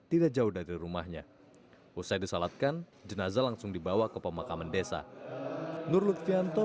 tidak jauh dari rumahnya usai disalatkan jenazah langsung dibawa ke pemakaman desa nur lutfianto